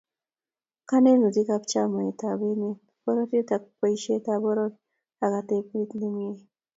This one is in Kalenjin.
Konetutikab chametab emet, pororiet ak boisietab poror ak atebet nemie